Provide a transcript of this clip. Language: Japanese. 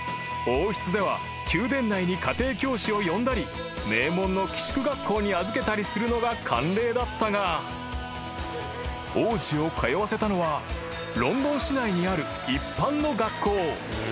［王室では宮殿内に家庭教師を呼んだり名門の寄宿学校に預けたりするのが慣例だったが王子を通わせたのはロンドン市内にある一般の学校］